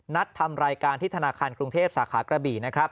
นัดทำรายการที่ธนาคารกรุงเทพฯสาขากระบี